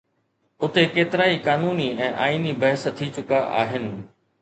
اتي ڪيترائي قانوني ۽ آئيني بحث ٿي چڪا آهن.